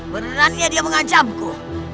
benarnya dia mengancamku